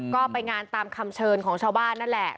ก็ไปงานตามคำเชิญของชาวบ้านนั่นแหละ